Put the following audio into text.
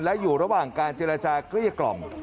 และอยู่ระหว่างจรากระจากยกกล่อม